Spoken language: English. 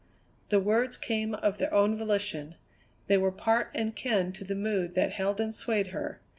The words came of their own volition; they were part and kin to the mood that held and swayed her.